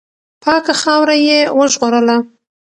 پاکه خاوره یې وژغورله.